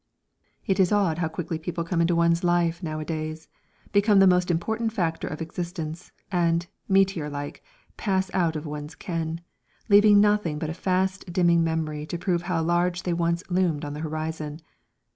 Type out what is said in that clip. It is odd how quickly people come into one's life nowadays, become the most important factor of existence, and, meteor like, pass out of one's ken, leaving nothing but a fast dimming memory to prove how large they once loomed on the horizon.